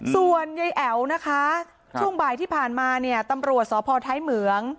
ส่วนยายแอ๋วนะคะช่วงบ่ายที่ผ่านมาเนี่ยตำรวจสพท้ายเหมือง